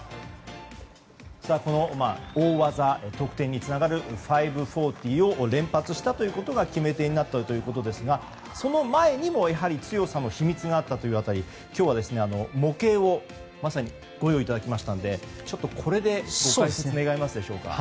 この大技、得点につながる５４０を連発したことが決め手になったということですがその前にもやはり強さの秘密があったということを今日は、模型をご用意いただきましたのでこれでご解説願えますでしょうか。